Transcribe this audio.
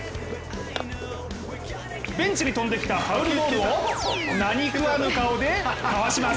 ベンチに飛んできたファウルボールを何食わぬ顔で、かわします。